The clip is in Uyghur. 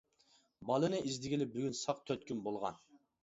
بالىنى ئىزدىگىلى بۈگۈن ساق تۆت كۈن بولغان.